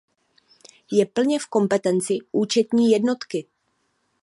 Je plně v kompetenci účetní jednotky.